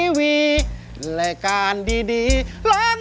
โอ้วว่าตีงออก